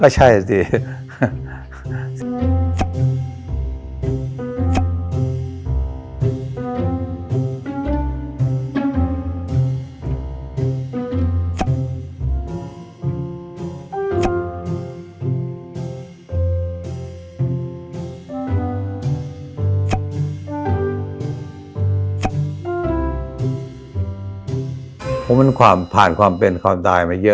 ยังอยู่ครับยังอยู่